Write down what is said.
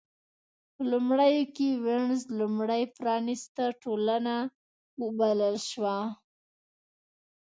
په لومړیو کې وینز لومړۍ پرانېسته ټولنه وبلل شوه.